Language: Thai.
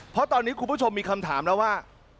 เพราะตอนนี้คุณผู้ชมมีคำถามแล้วว่า